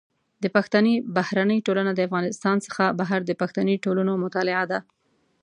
د پښتني بهرنۍ ټولنه د افغانستان څخه بهر د پښتني ټولنو مطالعه ده.